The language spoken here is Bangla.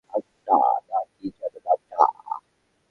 অ্যান্টা না কী যেন নামটা?